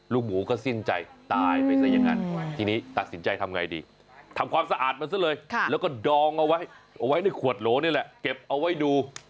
ลูกหมูก็สิ้นใจตายไปซะอย่างนั้น